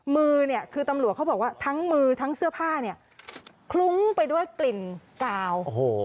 มือเนี่ยคือตำรวจเขาบอกว่าทั้งมือทั้งเสื้อผ้าเนี่ยคลุ้งไปด้วยกลิ่นกาวโอ้โห